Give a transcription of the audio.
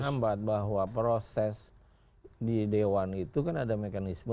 ada yang menghambat bahwa proses di dewan itu kan ada mekanisme